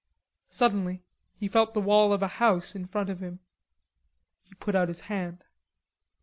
Suddenly he felt the wall of a house in front of him. He put out his hand.